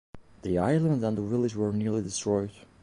The island and village were nearly destroyed.